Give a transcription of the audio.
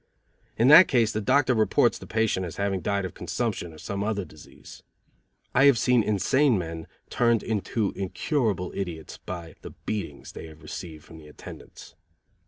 In that case, the doctor reports the patient as having died of consumption, or some other disease. I have seen insane men turned into incurable idiots by the beatings they have received from the attendants.